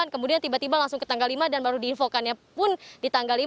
kemudian tiba tiba langsung ke tanggal lima dan baru diinfokannya pun di tanggal lima